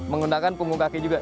menggunakan punggung kaki juga